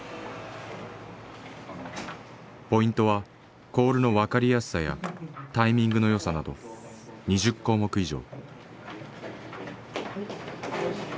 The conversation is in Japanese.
ポイントは「コールの分かりやすさ」や「タイミングの良さ」など２０項目以上。